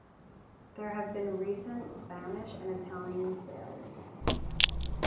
There have been recent Spanish and Italian sales.